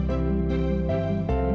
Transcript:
saya sedang tac lovi